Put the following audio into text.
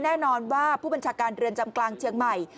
แน่นอนว่าผู้บัญชาการเรือนจำกลางเชียงใหม่